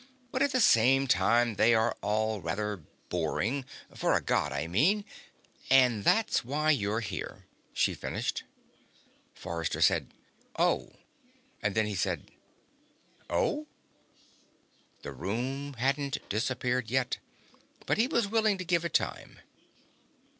But, at the same time, they are all rather boring for a God, I mean. And that's why you're here," she finished. Forrester said: "Oh." And then he said: "Oh?" The room hadn't disappeared yet, but he was willing to give it time.